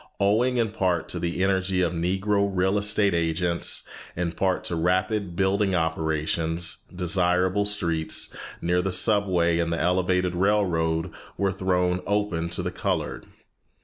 Owing in part to the energy of Negro real estate agents, in part to rapid building operations, desirable streets, near the subway and the elevated railroad, were thrown open to the colored.